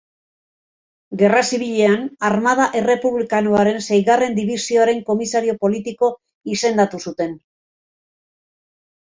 Gerra Zibilean, Armada Errepublikanoaren seigarren dibisioaren komisario politiko izendatu zuten.